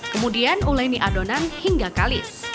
kemudian uleni adonan hingga kalis